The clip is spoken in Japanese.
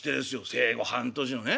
生後半年のね